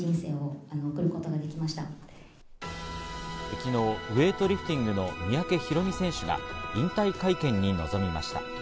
昨日、ウエイトリフティングの三宅宏実選手が引退会見に臨みました。